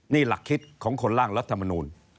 นี่หลักคิดของคนร่างรัฐมนูล